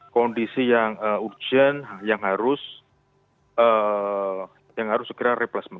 kondisi yang urgent yang harus segera replacement